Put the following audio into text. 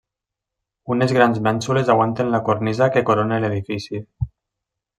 Unes grans mènsules aguanten la cornisa que corona l'edifici.